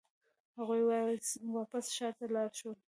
هغوی واپس ښار ته لاړ شول.